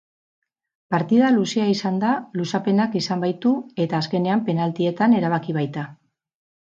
Partida luzea izan da luzapenak izan baitu eta azkenean penaltietan erabaki baita.